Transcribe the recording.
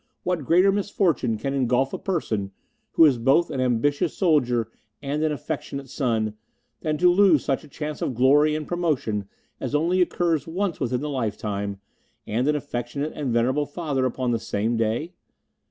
What greater misfortune can engulf a person who is both an ambitious soldier and an affectionate son, than to lose such a chance of glory and promotion as only occurs once within the lifetime, and an affectionate and venerable father upon the same day?